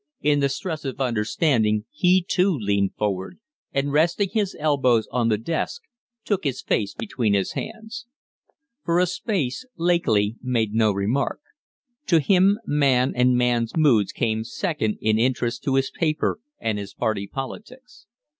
In the stress of understanding he, too, leaned forward, and, resting his elbows on the desk, took his face between his hands. For a space Lakely made no remark. To him man and man's moods came second in interest to his paper and his party politics.